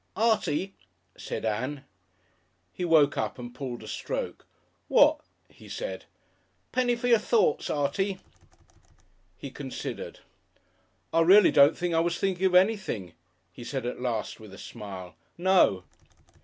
"Artie," said Ann. He woke up and pulled a stroke. "What?" he said. "Penny for your thoughts, Artie." He considered. "I reely don't think I was thinking of anything," he said at last with a smile. "No."